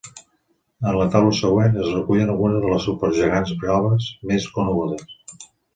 En la taula següent, es recullen algunes de les supergegants blaves més conegudes.